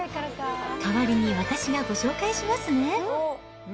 代わりに私がご紹介しますね。